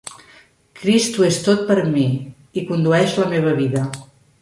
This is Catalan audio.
Crist ho és tot per a mi, i condueix la meva vida.